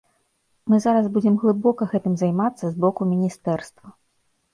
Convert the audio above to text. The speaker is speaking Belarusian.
Мы зараз будзем глыбока гэтым займацца з боку міністэрства.